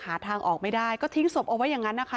หาทางออกไม่ได้ก็ทิ้งศพเอาไว้อย่างนั้นนะคะ